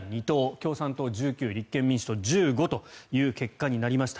共産党１９立憲民主党１５という結果になりました。